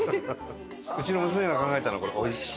うちの娘が考えたのこれおいＣ！